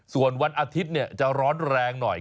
ส่วนวันอาทิตย์จะร้อนแรงหน่อย